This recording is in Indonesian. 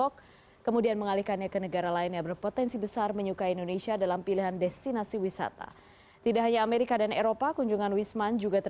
pemerintah juga menghentikan promosi wisata